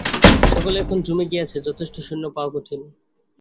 সকলেই এখন জুমে গিয়াছে, যথেষ্ট সৈন্য পাওয়া কঠিন।